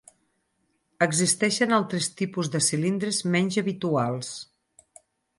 Existeixen altres tipus de cilindres menys habituals.